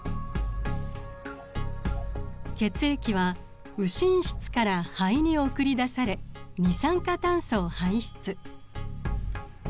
血液は右心室から肺に送り出され二酸化炭素を排出。